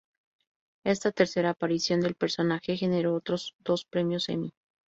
Esta tercera aparición del personaje generó otros dos premios Emmy.